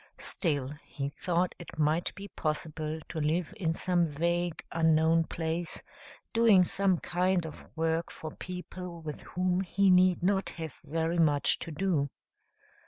Still, he thought it might be possible to live in some vague, unknown place, doing some kind of work for people with whom he need not have very much to do.